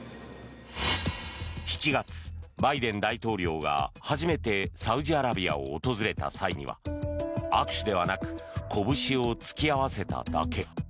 ７月、バイデン大統領が初めてサウジアラビアを訪れた際には握手ではなくこぶしを突き合わせただけ。